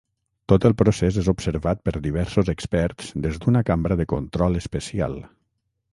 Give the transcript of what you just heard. Tot el procés és observat per diversos experts des d'una cambra de control especial.